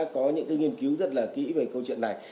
có những nghiên cứu rất là kỹ về câu chuyện này